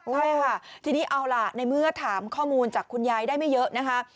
ใช่ค่ะทีนี้เอาล่ะในเมื่อถามข้อมูลจากคุณยายได้ไม่เยอะนะคะ